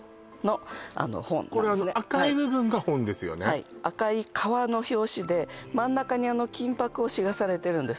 はい赤い革の表紙で真ん中に金箔押しがされてるんです